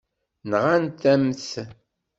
Nɣant-am-t.